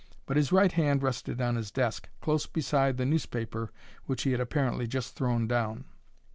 But his right hand rested on his desk, close beside the newspaper which he had apparently just thrown down.